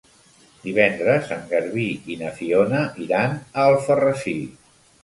Divendres en Garbí i na Fiona iran a Alfarrasí.